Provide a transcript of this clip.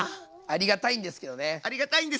ありがたいんですけどね。